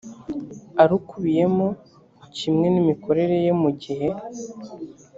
arukubiyemo kimwe n imikorere ye mu gihe